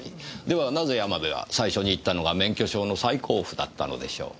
ではなぜ山部は最初に行ったのが免許証の再交付だったのでしょう。